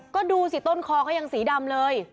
ก็ดูสิต้นคอก็ยังสีดำเลย